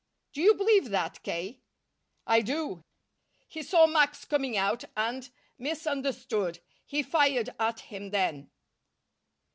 "Do you believe that, K.?" "I do. He saw Max coming out and misunderstood. He fired at him then."